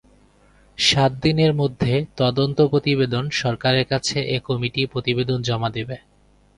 সাত দিনের মধ্যে তদন্ত প্রতিবেদন সরকারের কাছে এ কমিটি প্রতিবেদন জমা দিবে।